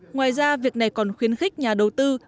ngoài ra việc này còn khuyến khích nhà đầu tư